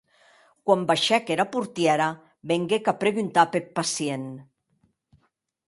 Quan baishèc, era portièra venguec a preguntar peth pacient.